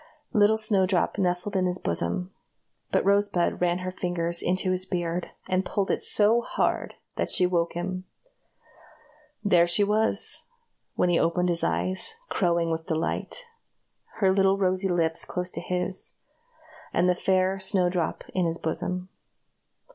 Little Snowdrop nestled in his bosom, but Rosebud ran her fingers into his beard, and pulled it so hard that she woke him. There she was, when he opened his eyes, crowing with delight her little rosy lips close to his, and the fair Snowdrop in his bosom.